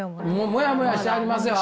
もやもやしてはりますよ！